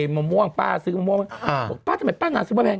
มะม่วงป้าซื้อมะม่วงป้าทำไมป้านางซื้อมาแพง